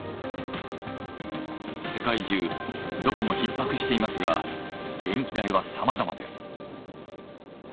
世界中どこもひっ迫していますが電気代はさまざまです。